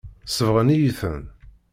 Sebɣen-iyi-ten.